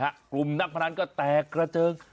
กลุ่มนักพนันก็แตกกระเจิง